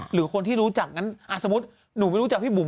หรือคนที่รู้จักงั้นสมมุติหนูไม่รู้จักพี่บุ๋